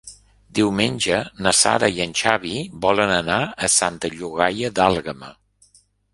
Diumenge na Sara i en Xavi volen anar a Santa Llogaia d'Àlguema.